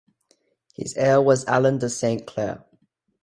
His heir was Alan de St Clair.